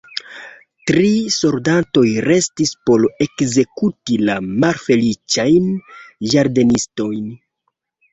Tri soldatoj restis por ekzekuti la malfeliĉajn ĝardenistojn.